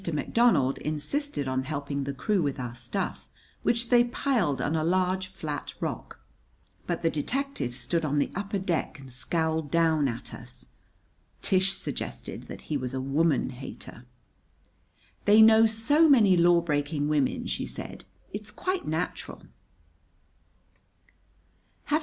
McDonald insisted on helping the crew with our stuff, which they piled on a large flat rock; but the detective stood on the upper deck and scowled down at us. Tish suggested that he was a woman hater. "They know so many lawbreaking women," she said, "it's quite natural."